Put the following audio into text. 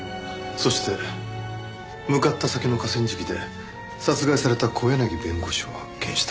そして向かった先の河川敷で殺害された小柳弁護士を発見した。